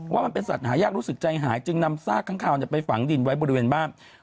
ว่ามันเป็นสัตว์หายากรู้สึกใจหายจึงนำซากค้างคาวไปฝังดินไว้บริเวณบ้าน